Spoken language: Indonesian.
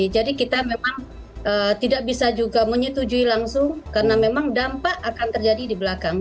jadi kita memang tidak bisa juga menyetujui langsung karena memang dampak akan terjadi di belakang